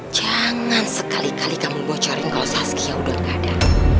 jangan sekali kali kamu bocorin kalau saskia udah gak ada